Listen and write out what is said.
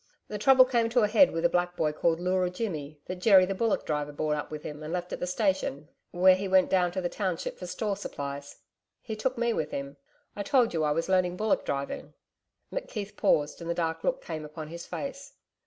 The trouble came to a head with a black boy, called Leura Jimmy, that Jerry the bullock driver brought up with him and left at the station where he went down to the township for store supplies He took me with him I told you I was learning bullock driving....' McKeith paused, and the dark look came upon his face.